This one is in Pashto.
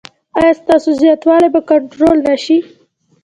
ایا ستاسو زیاتوالی به کنټرول نه شي؟